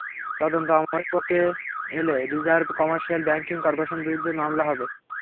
তদন্ত আমাদের পক্ষে এলে রিজার্ভ কমার্শিয়াল ব্যাংকিং করপোরেশনের বিরুদ্ধে মামলা হবে।